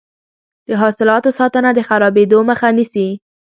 د حاصلاتو ساتنه د خرابیدو مخه نیسي.